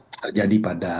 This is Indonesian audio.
itu yang terjadi pada